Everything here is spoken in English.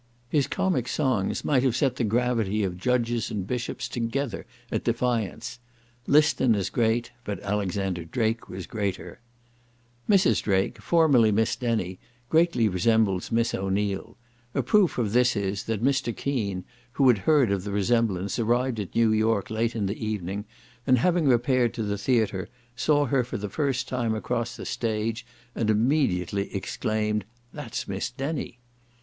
His comic songs might have set the gravity of the judges and bishops together at defiance. Liston is great, but Alexander Drake was greater. Mr. Drake was an Englishman. Mrs. Drake, formerly Miss Denny, greatly resembles Miss O'Neil; a proof of this is, that Mr. Kean, who had heard of the resemblance, arrived at New York late in the evening, and having repaired to the theatre, saw her for the first time across the stage, and immediately exclaimed, "that's Miss Denny."